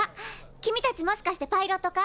君たちもしかしてパイロット科？